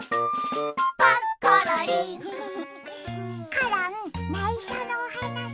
コロンないしょのおはなし。